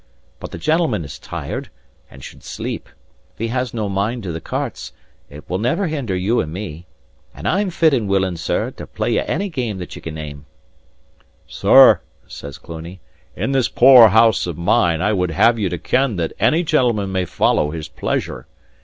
But the gentleman is tired, and should sleep; if he has no mind to the cartes, it will never hinder you and me. And I'm fit and willing, sir, to play ye any game that ye can name." "Sir," says Cluny, "in this poor house of mine I would have you to ken that any gentleman may follow his pleasure.